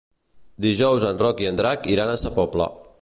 Dijous en Roc i en Drac iran a Sa Pobla.